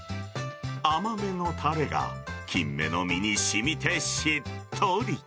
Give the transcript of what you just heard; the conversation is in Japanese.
甘めのたれがキンメの身にしみてしっとり。